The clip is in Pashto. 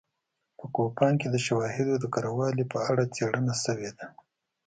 په کوپان کې د شواهدو د کره والي په اړه څېړنه شوې ده